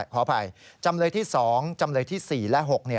ขออภัยจำเลยที่๒จำเลยที่๔และ๖